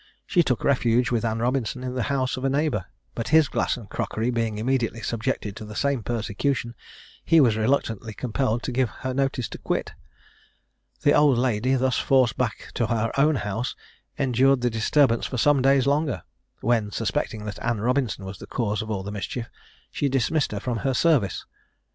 She took refuge with Anne Robinson in the house of a neighbour; but his glass and crockery being immediately subjected to the same persecution, he was reluctantly compelled to give her notice to quit. The old lady, thus forced back to her own house, endured the disturbance for some days longer, when suspecting that Anne Robinson was the cause of all the mischief, she dismissed her from her service.